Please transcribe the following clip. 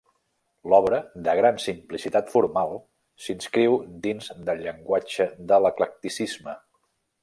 L'obra, de gran simplicitat formal, s'inscriu dins del llenguatge de l'eclecticisme.